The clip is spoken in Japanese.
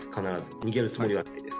逃げるつもりはないです。